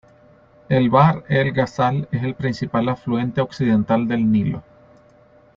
El Bahr el Ghazal es el principal afluente occidental del Nilo.